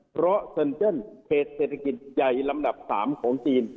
เพราะเซ็นเจิ้นเขตเศรษฐกิจใหญ่ลำดับ๓ของจีน